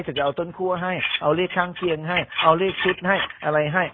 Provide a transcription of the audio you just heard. จะเอาต้นคั่วให้เอาเลขข้างเคียงให้เอาเลขชุดให้อะไรให้